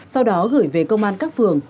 sau đó gửi về công an các phường